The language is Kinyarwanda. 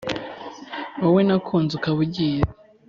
wowe nakunze ukaba ugiye,